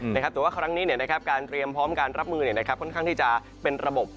แต่ว่าครั้งนี้การเตรียมพร้อมการรับมือค่อนข้างที่จะเป็นระบบ